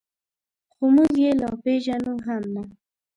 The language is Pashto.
خو موږ یې لا پېژنو هم نه.